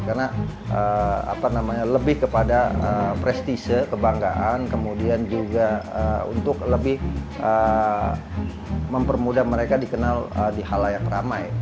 karena lebih kepada prestise kebanggaan kemudian juga untuk lebih mempermudah mereka dikenal di halayak ramai